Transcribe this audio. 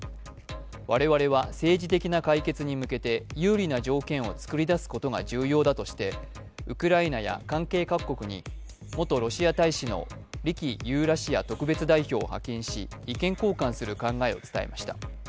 我々は政治的な解決に向けて有利な条件を作り出すことが重要だとしてウクライナや関係各国に元ロシア大使の李輝ユーラシア特別代表を派遣し意見交換する考えを示しました。